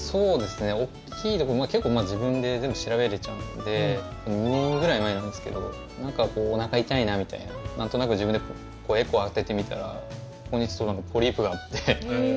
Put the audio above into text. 結構、自分で全部調べれちゃうので２年ぐらい前なんですけどなんかおなか痛いなみたいななんとなく自分でエコーを当ててみたらポリープがあって。